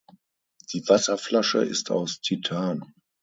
Die Wasserflasche ist aus Titan.